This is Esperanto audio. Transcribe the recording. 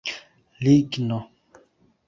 ligno